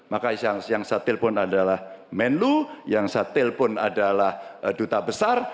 maka yang saya telepon adalah menlu yang saya telpon adalah duta besar